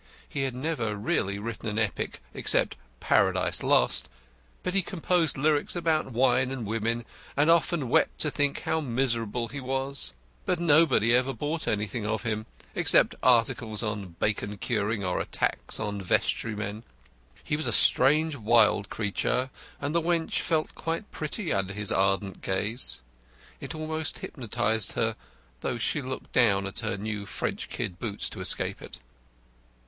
He had never really written an epic except "Paradise Lost" but he composed lyrics about wine and women and often wept to think how miserable he was. But nobody ever bought anything of him, except articles on bacon curing or attacks on vestrymen. He was a strange, wild creature, and the wench felt quite pretty under his ardent gaze. It almost hypnotised her, though, and she looked down at her new French kid boots to escape it.